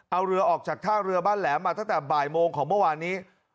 เอาเรือออกจากท่าเรือบ้านแหลมมาตั้งแต่บ่ายโมงของเมื่อวานนี้